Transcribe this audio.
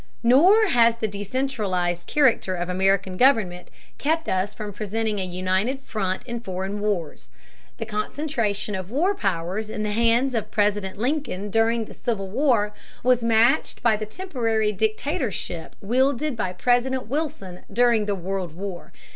Nor has the decentralized character of American government kept us from presenting a united front in foreign wars. The concentration of war powers in the hands of President Lincoln during the Civil War was matched by the temporary dictatorship wielded by President Wilson during the World War.